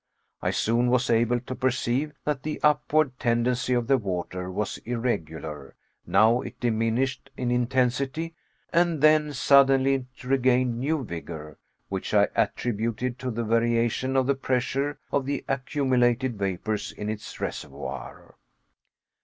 I soon was able to perceive that the upward tendency of the water was irregular; now it diminished in intensity, and then, suddenly, it regained new vigor, which I attributed to the variation of the pressure of the accumulated vapors in its reservoir.